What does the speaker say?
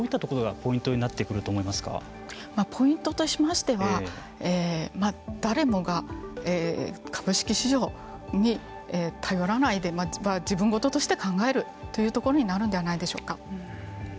ポイントとしましては誰もが株式市場に頼らないで自分事として考えるということになるんではないでしょうか。